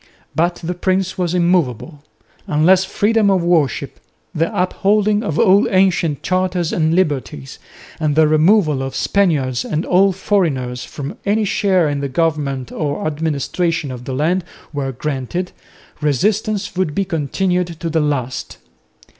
But the prince was immovable. Unless freedom of worship, the upholding of all ancient charters and liberties and the removal of Spaniards and all foreigners from any share in the government or administration of the land were granted, resistance would be continued to the last.